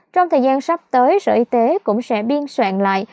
trong thời gian sắp tới sở y tế cũng sẽ biên soạn lại